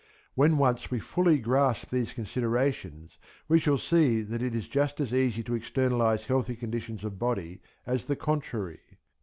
When once we fully grasp these considerations we shall see that it is just as easy to externalize healthy conditions of body as the contrary.